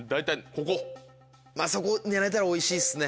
まぁそこ狙えたらおいしいっすね。